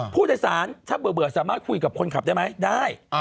ผู้โดยสารถ้าเบื่อสามารถคุยกับคนขับได้ไหมได้